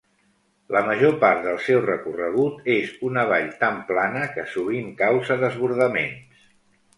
La major part del seu recorregut és una vall tan plana que sovint causa desbordaments.